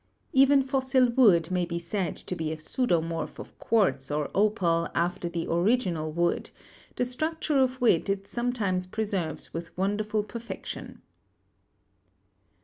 Even fossil wood may be said to be a pseudomorph of quartz or opal after the original wood, the structure of which it sometimes preserves with won derful perfection.